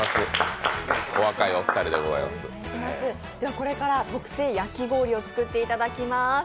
これから特製焼き氷をつくっていただきます。